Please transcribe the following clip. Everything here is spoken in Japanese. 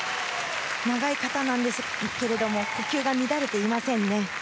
長い形なんですが呼吸が乱れていませんね。